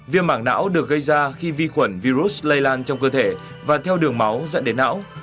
viêm mảng não được gây ra khi vi khuẩn virus lây lan trong cơ thể và theo đường máu dẫn đến não